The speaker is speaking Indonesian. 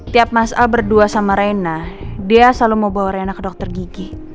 tiap mas al berdua sama reyna dia selalu mau bawa reyna ke dokter gigi